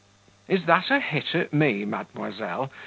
"Is that a hit at me, mademoiselle?